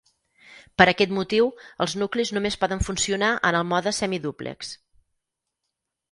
Per aquest motiu, els nuclis només poden funcionar en el mode semidúplex.